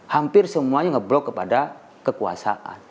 hampir semuanya ngeblok kepada kekuasaan